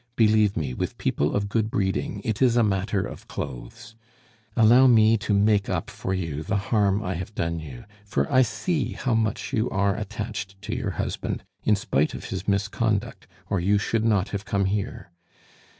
Believe me, with people of good breeding it is a matter of clothes. Allow me to make up for you the harm I have done you, for I see how much you are attached to your husband, in spite of his misconduct or you should not have come here.